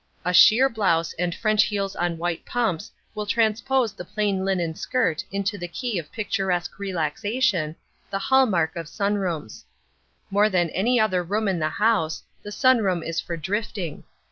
A sheer blouse and French heels on white pumps will transpose the plain linen skirt into the key of picturesque relaxation, the hall mark of sun rooms. More than any other room in the house, the sun room is for drifting.